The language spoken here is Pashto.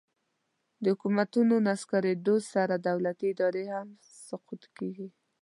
د حکومتونو نسکورېدو سره دولتي ادارې هم سقوط کیږي